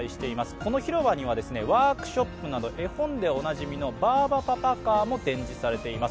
この広場にはワークショップなど絵本でおなじみのバーバパパカーも展示されています。